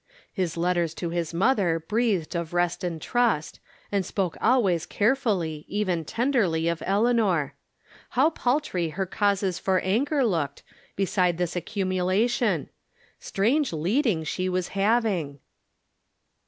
His letters to his mother breathed of rest and trust, and spoke always care fully, even tenderly, of Eleanor ! How paltry her causes for anger looked, beside this accumu lation ! Strange leading she was having